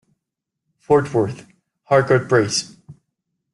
Fort Worth, Harcourt Brace.